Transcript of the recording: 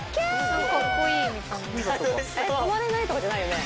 止まれないとかじゃないよね？